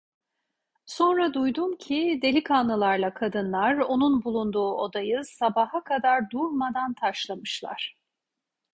Sonra duydum ki, delikanlılarla kadınlar onun bulunduğu odayı sabaha kadar durmadan taşlamışlar.